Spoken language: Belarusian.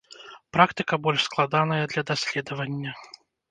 Практыка больш складаная для даследавання.